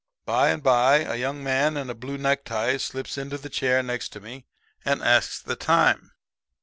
"By and by a young man in a blue necktie slips into the chair next to me and asks the time.